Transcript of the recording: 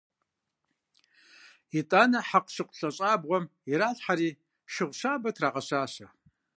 ИтӀанэ хьэкъущыкъу лъэщӀабгъуэм иралъхьэри, шыгъу щабэ трагъэщащэ.